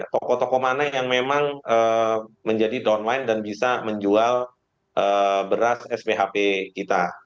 toko toko mana yang memang menjadi downline dan bisa menjual beras sphp kita